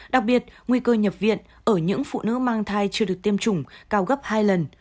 đặc biệt nguy cơ nhập viện ở những phụ nữ mang thai chưa được tiêm chủng cao gấp hai lần